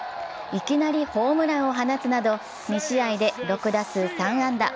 いきなりホームランを放つなど、２試合で６打数３安打。